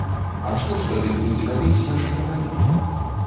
А што ж тады будуць рабіць нашы кавалі?